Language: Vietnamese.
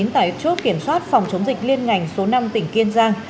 tại chốt kiểm soát phòng chống dịch liên ngành số năm tỉnh kiên giang